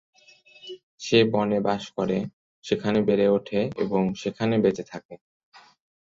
সে বনে বাস করে, সেখানে বেড়ে ওঠে এবং সেখানে বেঁচে থাকে।